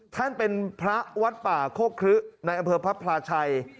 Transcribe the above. ท่านเป็นพระวัดป่าโคกครึในอำเภอพระพลาชัย